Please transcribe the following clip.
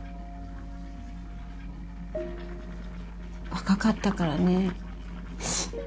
若かったからね。